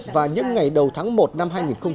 và những ngày đầu tháng một năm hai nghìn hai mươi